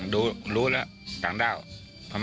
ดูแล้วต่างด้าวประมาณ